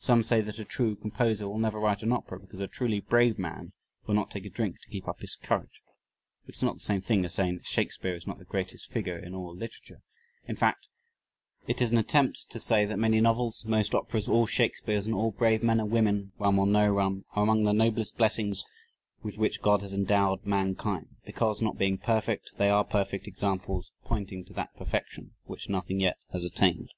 Some say that a true composer will never write an opera because a truly brave man will not take a drink to keep up his courage; which is not the same thing as saying that Shakespeare is not the greatest figure in all literature; in fact, it is an attempt to say that many novels, most operas, all Shakespeares, and all brave men and women (rum or no rum) are among the noblest blessings with which God has endowed mankind because, not being perfect, they are perfect examples pointing to that perfection which nothing yet has attained.